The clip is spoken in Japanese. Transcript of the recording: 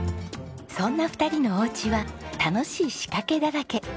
そんな２人のおうちは楽しい仕掛けだらけ。